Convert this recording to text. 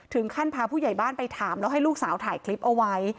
พาผู้ใหญ่บ้านไปถามแล้วให้ลูกสาวถ่ายคลิปเอาไว้